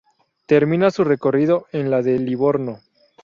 Termina su recorrido en la de Livorno.